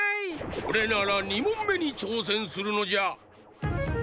それなら２もんめにちょうせんするのじゃ！